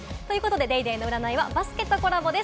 『ＤａｙＤａｙ．』の占いは、バスケとコラボです。